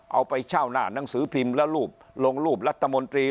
เอาไปเช่าหน้าหนังสือพิมพ์แล้วรูปลงรูปรัฐมนตรี